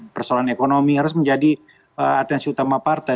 persoalan ekonomi harus menjadi atensi utama partai